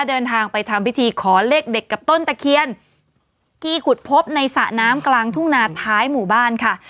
เดินทางไปทำพิธีขอเลขเด็ดกับต้นตะเคียนที่ขุดพบในสระน้ำกลางทุ่งนาท้ายหมู่บ้านค่ะ